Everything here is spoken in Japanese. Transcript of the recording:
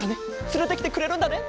つれてきてくれるんだね？